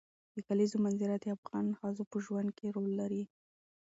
د کلیزو منظره د افغان ښځو په ژوند کې رول لري.